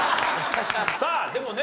さあでもね